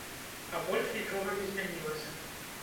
А больш нічога не змянілася.